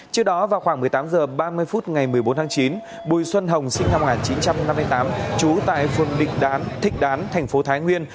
trước đó vào khoảng một mươi tám h ba mươi phút ngày một mươi bốn tháng chín bùi xuân hồng sinh năm một nghìn chín trăm năm mươi tám trú tại phương định đán thích đán thành phố thái nguyên